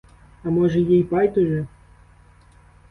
А може, їй байдуже?